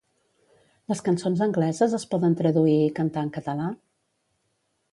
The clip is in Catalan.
Les cançons angleses es poden traduir i cantar en català?